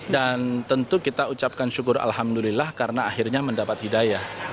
dan tentu kita ucapkan syukur alhamdulillah karena akhirnya mendapat hidayah